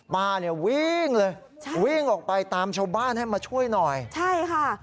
ป้าเนี่ยวิ่งเลยใช่วิ่งออกไปตามชาวบ้านให้มาช่วยหน่อยใช่ค่ะ